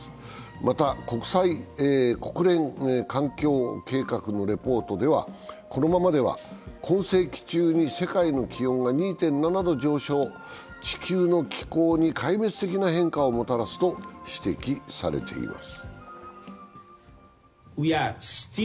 また、国連環境計画のレポートではこのままでは今世紀中に世界の気温が２．７度上昇、地球の気候に壊滅的な変化をもたらすと指摘されています。